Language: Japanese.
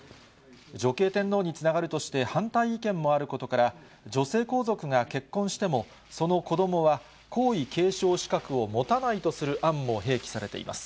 女系天皇につながるとして反対意見もあることから、女性皇族が結婚しても、その子どもは皇位継承資格を持たないとする案も併記されています。